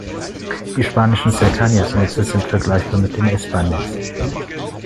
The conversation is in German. Die spanischen Cercanías-Netze sind vergleichbar mit den S-Bahn-Netzen.